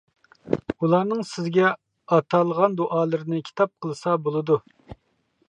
ئۇلارنىڭ سىزگە ئاتالغان دۇئالىرىنى كىتاب قىلسا بولىدۇ.